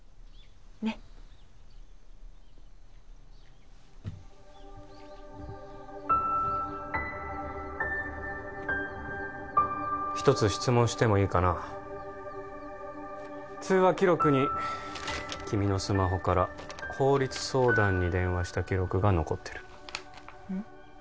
ねっ一つ質問してもいいかな通話記録に君のスマホから法律相談に電話した記録が残ってるうん？